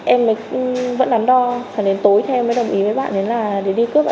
em mới vẫn nắm đo khoảng đến tối thì em mới đồng ý với bạn ấy là để đi cướp ạ